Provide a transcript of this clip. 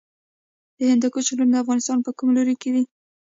د هندوکش غرونه د افغانستان په کوم لوري کې دي؟